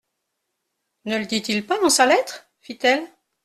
Ne le dit-il pas dans sa lettre ? fit-elle.